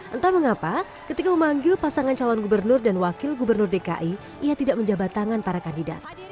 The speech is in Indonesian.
entah mengapa ketika memanggil pasangan calon gubernur dan wakil gubernur dki ia tidak menjabat tangan para kandidat